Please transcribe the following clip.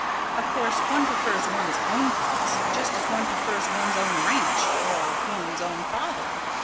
Of course one prefers one's own thoughts, just as one prefers one's own ranch, or one's own father."